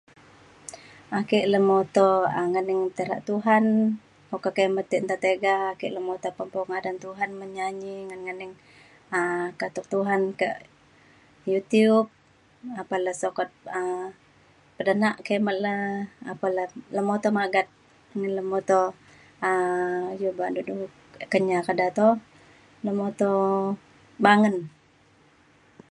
ake lemuto um ngening tekak Tuhan okak kimet nta tiga ake lemuto pemadan Tuhan menyanyi ngan ngening um katuk Tuhan kak Youtube apan le sukat um bedenak kimet le apan le lemuto magat ngelemuto um iu ba’an de du Kenyah ke da to, lemuto bangen.